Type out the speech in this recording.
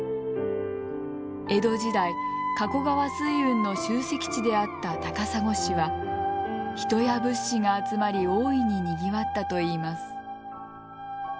江戸時代加古川水運の集積地であった高砂市は人や物資が集まり大いににぎわったといいます。